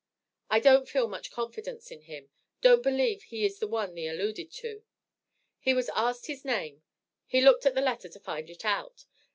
I don't feel much confidence in him don't believe he is the one thee alluded to. He was asked his name he looked at the letter to find it out.